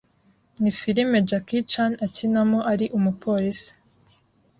ni filime Jackie Chan akinamo ari umupolisi